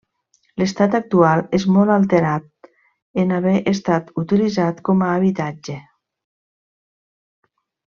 L'estat actual és molt alterat en haver estat utilitzat com a habitatge.